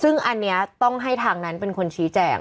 ซึ่งอันนี้ต้องให้ทางนั้นเป็นคนชี้แจ่ง